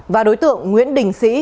và đối tượng nguyễn đình sĩ